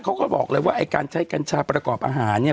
เขาก็บอกเลยว่าไอ้การใช้กัญชาประกอบอาหารเนี่ย